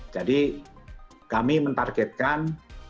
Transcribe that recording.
jadi kami mentargetkan